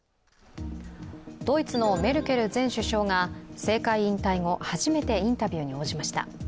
ドイツのメルケル前首相が、政界引退後初めてインタビューに応じました。